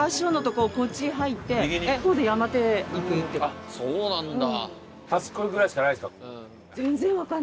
あっそうなんだ。